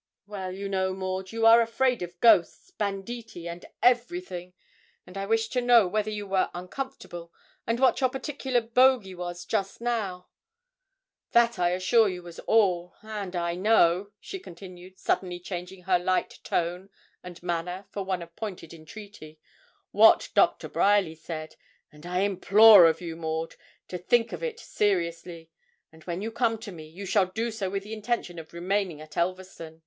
'Well, you know, Maud, you are afraid of ghosts, banditti, and _every_thing; and I wished to know whether you were uncomfortable, and what your particular bogle was just now that, I assure you, was all; and I know,' she continued, suddenly changing her light tone and manner for one of pointed entreaty, 'what Doctor Bryerly said; and I implore of you, Maud, to think of it seriously; and when you come to me, you shall do so with the intention of remaining at Elverston.'